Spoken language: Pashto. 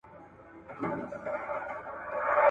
¬ په تېرو اوبو پسي چا يوم نه وي وړی.